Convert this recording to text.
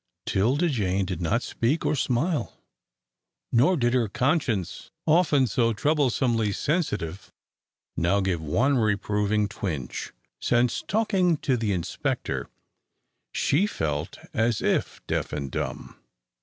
'Tilda Jane did not speak or smile, nor did her conscience, often so troublesomely sensitive, now give one reproving twinge. Since talking to the inspector she felt as if deaf and dumb.